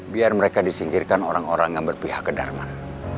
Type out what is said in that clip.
biar mereka disingkirkan orang orang yang berpihak ke darman